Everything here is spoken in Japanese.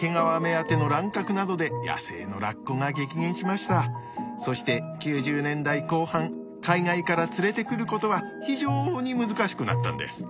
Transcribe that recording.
かつて毛皮目当てのそして９０年代後半海外から連れてくることは非常に難しくなったんです。